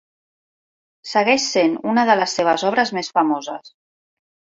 Segueix sent una de les seves obres més famoses.